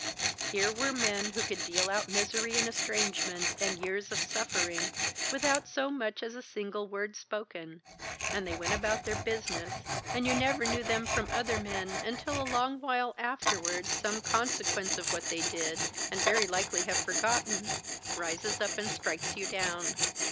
Here were men who could deal out misery and estrangement and years of suffering, without so much as a single word spoken, and they went about their business, and you never knew them from other men until a long while afterwards some consequence of what they did, and very likely have forgotten, rises up and strikes you down."